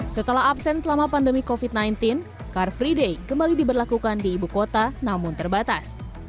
setelah absen selama pandemi covid sembilan belas car free day kembali diberlakukan di ibu kota namun terbatas